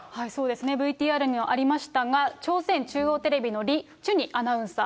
ＶＴＲにもありましたが、朝鮮中央テレビのリ・チュニアナウンサー。